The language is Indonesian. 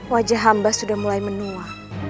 wajah hamba sudah mulai menua